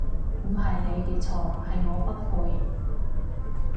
唔係你嘅錯，係我不配